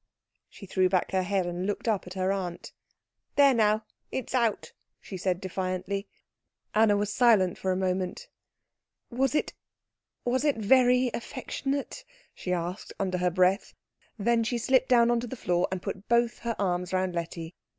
She threw back her head and looked up at her aunt. "There now, it's out," she said defiantly. Anna was silent for a moment. "Was it was it very affectionate?" she asked under her breath. Then she slipped down on to the floor, and put both her arms round Letty.